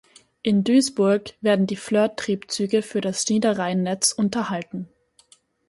In Duisburg werden die Flirt-Triebzüge für das Niederrhein-Netz unterhalten.